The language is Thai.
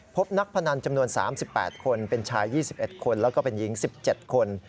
พบนักพนันจำนวน๓๘คนเป็นชาย๒๑คนแล้วก็เป็นหญิง๑๗คน